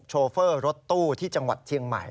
ชูเฟอร์รถตู้จริง